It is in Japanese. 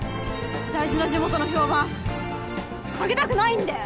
大事な地元の評判下げたくないんで！